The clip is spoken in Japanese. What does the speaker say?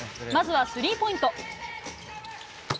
まずはスリーポイント。